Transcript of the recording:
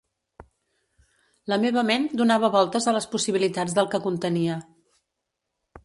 La meva ment donava voltes a les possibilitats del que contenia.